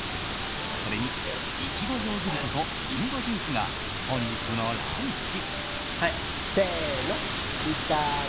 それに、イチゴヨーグルトとリンゴジュースが本日のランチ。